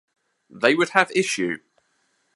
They would have Issue.